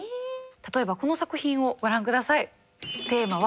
例えばこの作品をご覧下さい。